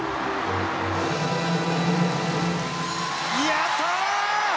やった！